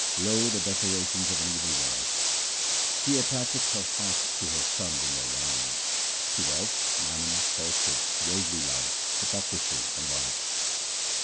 Lo the decorations of an evil wife !— She attacheth her heart to her sons and their wives, to wealth, mammon, falsehood, worldly love, hypocrisy, and vice.